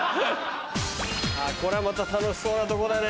こりゃまた楽しそうなとこだね。